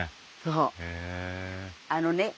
あのね